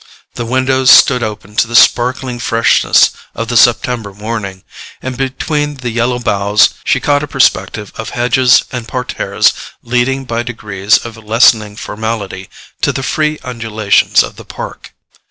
The windows stood open to the sparkling freshness of the September morning, and between the yellow boughs she caught a perspective of hedges and parterres leading by degrees of lessening formality to the free undulations of the park.